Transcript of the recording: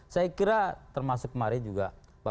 saya kira termasuk kemarin juga